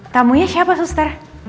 tamunya siapa suster